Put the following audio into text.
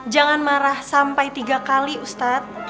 jangan marah sampai tiga kali ustadz